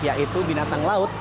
yaitu binatang laut